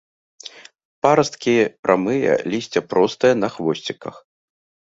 Парасткі прамыя, лісце простае на хвосціках.